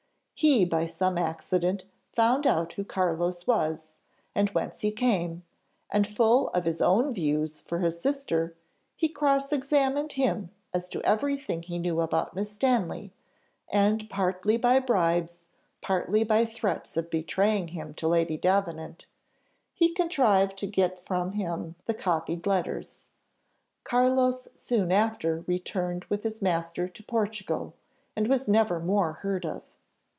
He by some accident found out who Carlos was, and whence he came, and full of his own views for his sister, he cross examined him as to every thing he knew about Miss Stanley; and partly by bribes, partly by threats of betraying him to Lady Davenant, he contrived to get from him the copied letters. Carlos soon after returned with his master to Portugal, and was never more heard of.